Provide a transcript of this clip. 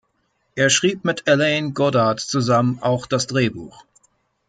Er schrieb mit Alain Godard zusammen auch das Drehbuch.